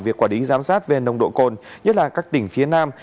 việc quản lý giám sát về nồng độ cồn nhất là các tỉnh phía nam